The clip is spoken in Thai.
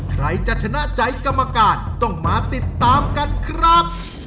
ใครจะชนะใจกรรมการต้องมาติดตามกันครับ